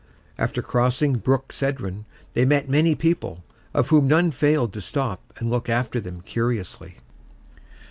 After crossing Brook Cedron, they met many people, of whom none failed to stop and look after them curiously.